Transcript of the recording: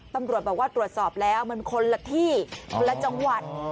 ตำรวจบอกว่าตรวจสอบแล้วมันคนละที่คนละจังหวัด